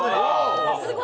すごい。